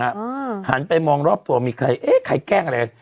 หันไปมองรอบตัวมีใครเอ๊ะใครแกล้งอะไร